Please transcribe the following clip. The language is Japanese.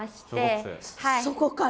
そこから？